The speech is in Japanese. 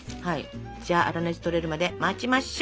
じゃあ粗熱とれるまで待ちましょ。